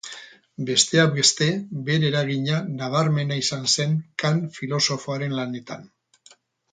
Besteak beste, bere eragina nabarmena izan zen Kant filosofoaren lanetan.